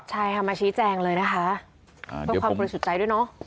ใช่ค่ะมาชี้แจงเลยนะคะเพื่อความบริสุทธิ์ใจด้วยเนอะ